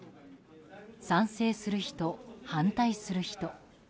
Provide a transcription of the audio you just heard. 賛成する人、反対する人。